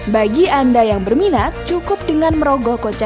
bagi anda yang berminat cukup dengan merogoh kocek